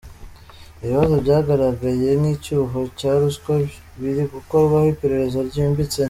Ibibazo byagaragaye nk’icyuho cya ruswa biri gukorwaho iperereza ryimbitse.